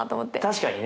確かにね。